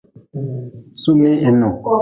Sumih hinuhi.